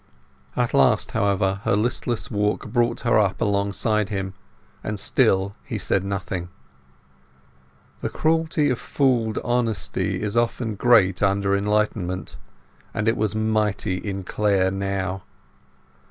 At last, however, her listless walk brought her up alongside him, and still he said nothing. The cruelty of fooled honesty is often great after enlightenment, and it was mighty in Clare now.